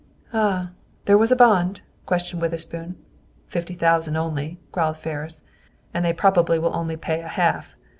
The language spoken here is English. "Ah! There was a bond?" questioned Witherspoon. "Fifty thousand, only," growled Ferris, "and they probably will only pay a half.